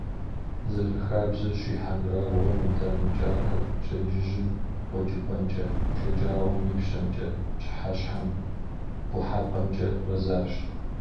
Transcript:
Зэрыхабзэщи, хьэндырабгъуэм и дамэ кӀапэр пщэдджыжьым къуэкӀыпӀэмкӀэ, шэджагъуэм — ипщэкӀэ, пщыхьэщхьэм — къухьэпӀэмкӀэ гъэзащ.